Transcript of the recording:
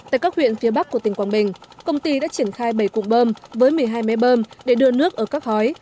tại các huyện phía bắc của tỉnh quảng bình công ty đã triển khai bảy cục bơm với một mươi hai mé bơm để đưa nước ở các hói